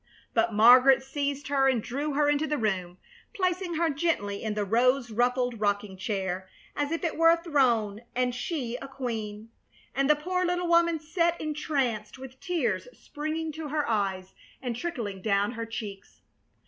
But Margaret seized her and drew her into the room, placing her gently in the rose ruffled rocking chair as if it were a throne and she a queen, and the poor little woman sat entranced, with tears springing to her eyes and trickling down her cheeks.